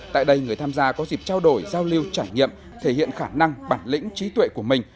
tại đây người tham gia có dịp trao đổi giao lưu trải nghiệm thể hiện khả năng bản lĩnh trí tuệ của mình